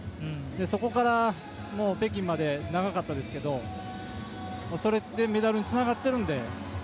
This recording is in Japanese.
そこから北京まで長かったですけどもそれでメダルにつながってるんで。